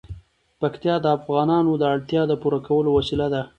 پکتیا د افغانانو د اړتیاوو د پوره کولو وسیله ده.